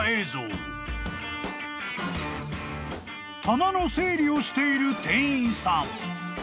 ［棚の整理をしている店員さん］